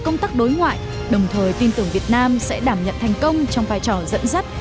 công tác đối ngoại đồng thời tin tưởng việt nam sẽ đảm nhận thành công trong vai trò dẫn dắt